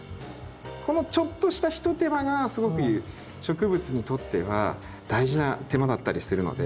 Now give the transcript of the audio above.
このちょっとしたひと手間がすごく植物にとっては大事な手間だったりするので。